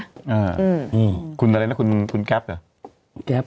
อ่านี่คุณอะไรนะคุณคุณแก๊ปเหรอ